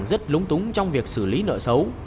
các ngân hàng rất lúng túng trong việc xử lý nợ xấu